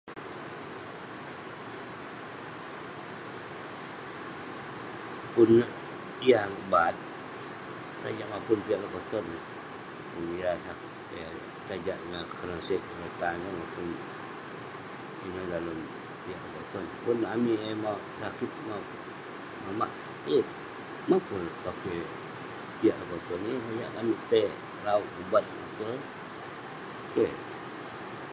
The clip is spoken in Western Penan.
Kelunan yah baat, tajak mapun piak lekoton. Pun yah sakit, tajak nah kenoseg, tan. Ineh dalem piak lekoton. Pun amik eh maok sakit maok mamak, yeng- mah pun pakey piak lekoton. Yeng sajak kek amik tai rauk pubat ngate. Keh.